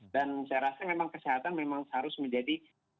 dan saya rasa memang kesehatan memang harus menjadi